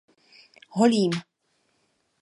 Holým.